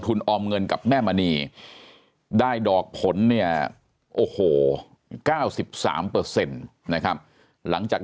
ออมเงินกับแม่มณีได้ดอกผลเนี่ยโอ้โห๙๓นะครับหลังจาก